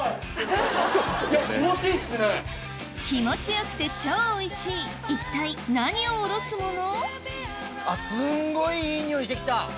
気持ち良くて超おいしい一体何をおろすもの？